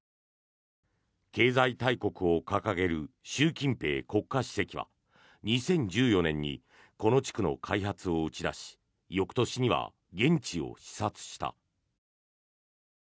経済大国を掲げる習近平国家主席は２０１４年にこの地区の開発を打ち出し翌年には現地を視察した。